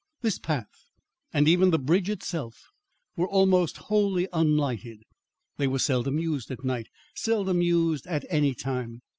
This path, and even the bridge itself, were almost wholly unlighted. They were seldom used at night seldom used at any time.